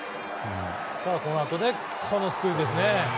このあと、このスクイズですね。